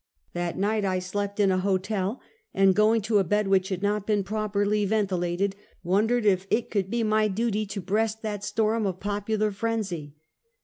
That night I slept in a hotel, and going to a bed which had not been properly ventilated, wondered if it could be my duty to breast that storm of popular frenzy.